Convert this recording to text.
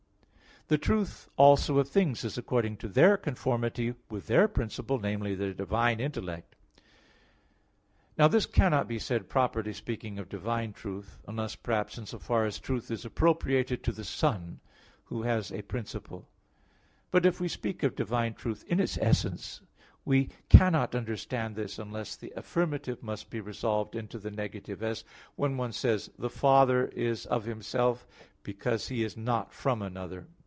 The truth also of things is according to their conformity with their principle, namely, the divine intellect. Now this cannot be said, properly speaking, of divine truth; unless perhaps in so far as truth is appropriated to the Son, Who has a principle. But if we speak of divine truth in its essence, we cannot understand this unless the affirmative must be resolved into the negative, as when one says: "the Father is of Himself, because He is not from another."